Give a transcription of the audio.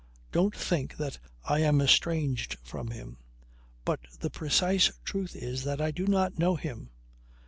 Don't think that I am estranged from him. But the precise truth is that I do not know him.